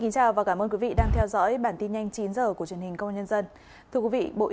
cảm ơn các bạn đã theo dõi